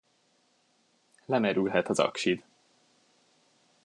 Lemerülhet az aksid.